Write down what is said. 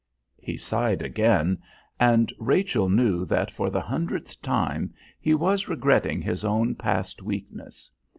He sighed again, and Rachel knew that for the hundredth time he was regretting his own past weakness.